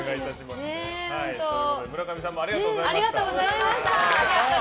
村上さんもありがとうございました。